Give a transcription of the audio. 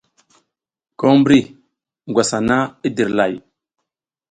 Ko mbri ngwas hana i dirlay.